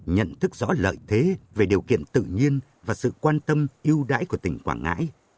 nhận thức rõ lợi thế về điều kiện tự nhiên và sự quan tâm yêu đãi của tỉnh quảng ngãi